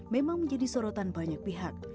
memang menjadi sorotan banyak pihak